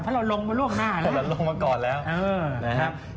เพราะเราลงมาล่วงมานะครับ